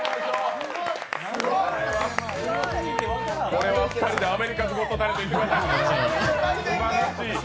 これは２人でアメリカズゴッドタレント、行ってください。